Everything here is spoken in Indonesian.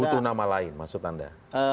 butuh nama lain maksud anda